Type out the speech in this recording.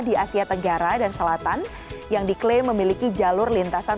di asia tenggara dan selatan yang diklaim memiliki jalur lintasan